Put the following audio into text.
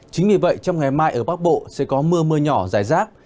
chính vì vậy trong ngày mai ở bắc bộ sẽ có mưa mưa nhỏ dài rác